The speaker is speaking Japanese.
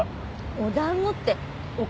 お団子ってお金